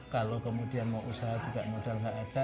kalau kemudian mau usaha juga modal nggak ada